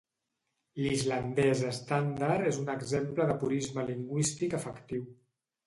L'islandès estàndard és un exemple de purisme lingüístic efectiu.